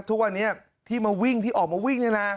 ทุกวันนี้ที่มาวิ่งที่ออกมาวิ่งเนี่ยนะ